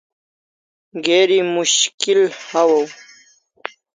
Geri mushkil hawaw